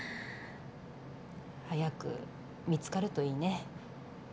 早く見つかるといいね。